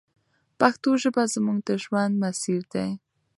پښتو ژبه زموږ د ژوند مسیر دی.